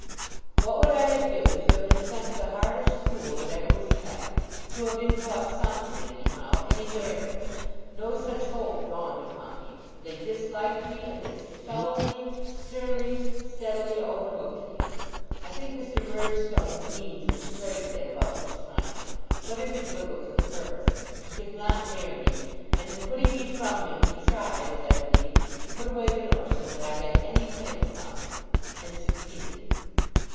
What would I have given, to have been sent to the hardest school that ever was kept! to have been taught something, anyhow, anywhere! No such hope dawned upon me. They disliked me; and they sullenly, sternly, steadily, overlooked me. I think Mr. Murdstone's means were straitened at about this time; but it is little to the purpose. He could not bear me; and in putting me from him he tried, as I believe, to put away the notion that I had any claim upon him and succeeded.